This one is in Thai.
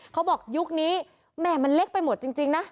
เขาบอกยุคนี้แหม่มันเล็กไปหมดจริงนะ